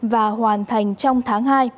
và hoàn thành trong tháng hai